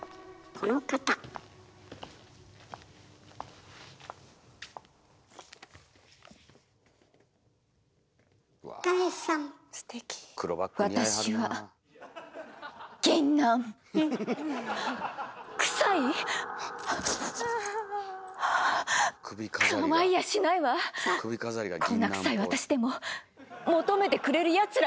こんなクサい私でも求めてくれるやつらはいるのよ！